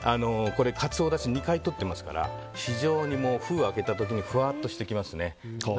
これ、カツオだしを２回とってますから非常に封を開けた時にふわっとしてきますね。